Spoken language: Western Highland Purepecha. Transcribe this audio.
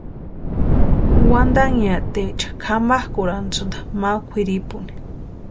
Wantanhiateecha kʼamakʼurhasïnti ma kwʼiripuni.